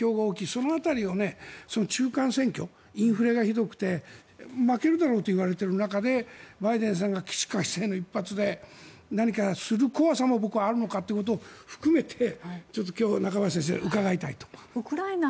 その辺りを中間選挙インフレがひどくて負けるだろうといわれている中でバイデンさんが起死回生の一発で何かする怖さも僕はあるのかということを含めて今日は中林先生に伺いたいと。